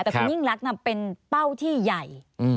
แต่คุณยิ่งรักเป็นเป้าที่ใหญ่